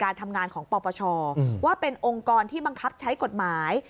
การทำงานของปปชว่าเป็นองค์กรที่บังคับใช้กฎหมาย